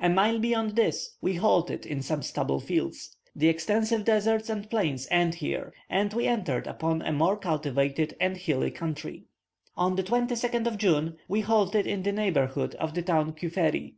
A mile beyond this we halted in some stubble fields. The extensive deserts and plains end here, and we entered upon a more cultivated and hilly country. On the 22nd of June, we halted in the neighbourhood of the town Kuferi.